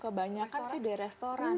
kebanyakan sih di restoran